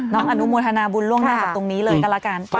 น้องอนุมูลหานบูนร่วมหน้ากับตรงนี้เลยกรการ